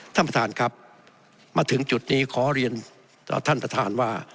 ท่านประธานครับมาถึงจุดนี้ขอเรียนต่อท่านประธานว่า